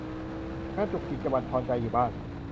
งานจุกจิกจะบั่นทอนใจอยู่บ้าง